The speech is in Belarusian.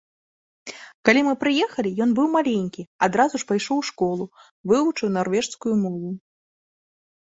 Калі мы прыехалі, ён быў маленькі, адразу ж пайшоў у школу, вывучыў нарвежскую мову.